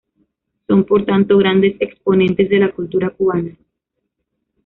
Son por tanto grandes exponentes de la cultura cubana.